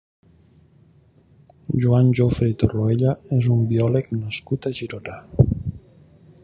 Joan Jofre i Torroella és un biòleg nascut a Girona.